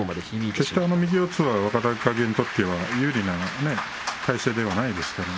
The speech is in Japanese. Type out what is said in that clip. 決して、右四つは若隆景有利な体勢ではないですからね。